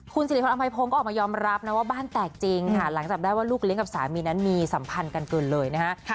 คุณสิริพรอำภัยพงศ์ก็ออกมายอมรับนะว่าบ้านแตกจริงค่ะหลังจากได้ว่าลูกเลี้ยกับสามีนั้นมีสัมพันธ์กันเกินเลยนะฮะ